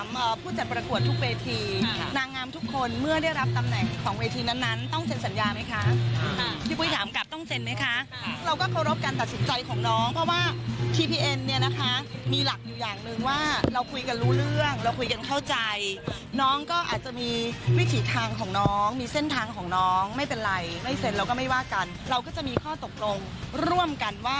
ไม่เซ็นเราก็ไม่ว่ากันเราก็จะมีข้อตกลงร่วมกันว่า